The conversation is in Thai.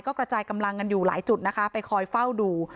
กระจายกำลังกันอยู่หลายจุดนะคะไปคอยเฝ้าดู